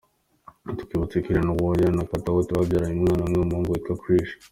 Tukwibutse ko Irene Uwoya na Katawuti babyaranye umwana umwe w’umuhungu witwa Krish.